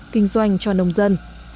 kinh doanh cho nông dân